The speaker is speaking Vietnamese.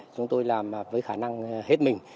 chúng tôi làm với khả năng hết mình